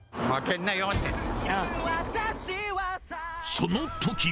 そのとき。